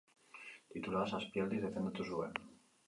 Titulua zazpi aldiz defendatu zuen.